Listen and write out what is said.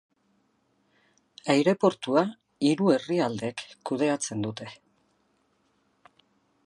Aireportua hiru herrialdeek kudeatzen dute.